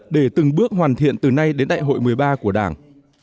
để từng bước hoàn thiện từ nay đến đại hội một mươi ba của đảng